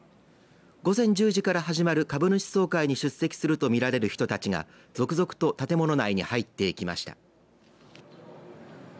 午前１０時から始まる株主総会に出席すると見られる人たちが続々と建物内に入っていきました。